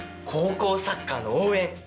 高校サッカーの応援！